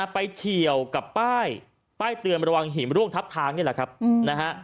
ไปเฉี่ยวกับป้ายป้ายเตือนระหว่างหิมร่วงทับทางนี่แหละ